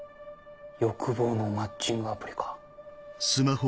欲望のマッチングアプリか。